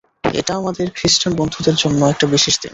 এটা আমাদের খ্রিস্টান বন্ধুদের জন্য একটা বিশেষ দিন।